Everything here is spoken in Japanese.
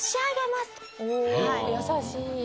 優しい。